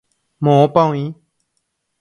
Moõpa oĩ.